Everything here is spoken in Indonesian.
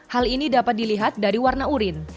hal ini dapat dilihat dari warna urin